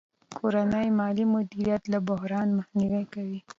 کورنی مالي مدیریت له بحران مخنیوی کوي.